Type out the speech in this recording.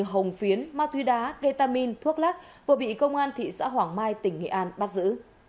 hồng phạm hồng phiến ma túy đá gây tam minh thuốc lắc vừa bị công an thị xã hoàng mai tỉnh nghệ an bắt giữ